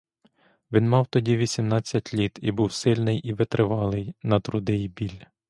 Він мав тоді вісімнадцять літ і був сильний і витривалий на труди й біль.